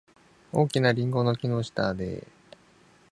大きなリンゴの木の下で。